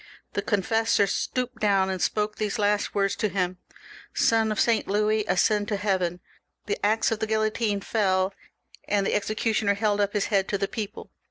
The confessor stooped down and spoke these last words to him :— "Sonof Saint Louis, ascend to heaven!" The axe of the guillotine fell, and the executioner held up his head to the people.